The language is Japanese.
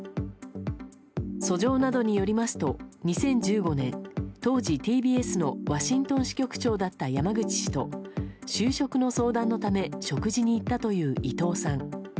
訴状などによりますと２０１５年当時、ＴＢＳのワシントン支局長だった山口氏と就職の相談のため食事に行ったという伊藤さん。